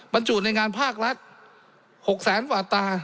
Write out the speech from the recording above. บรรจุในงานภาครัฐ๖๐๐๐๐๐ว่าอัตรา